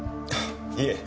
いえ。